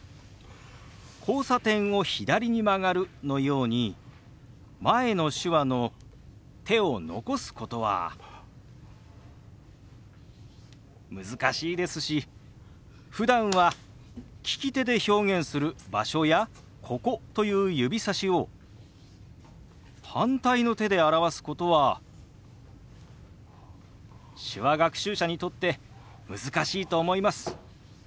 「交差点を左に曲がる」のように前の手話の手を残すことは難しいですしふだんは利き手で表現する「場所」や「ここ」という指さしを反対の手で表すことは手話学習者にとって難しいと思います。